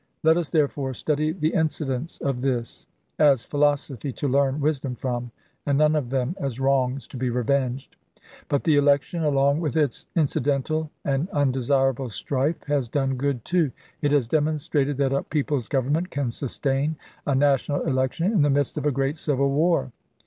Let us, therefore, study the incidents of this, as philosophy to learn wisdom from, and none of them as wrongs to be revenged. But the election, along with its inci dental and undesirable strife, has done good, too. It has demonstrated that a people's Government can sustain a national election in the midst of a great civil war.